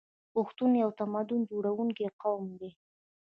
پښتون یو تمدن جوړونکی قوم دی.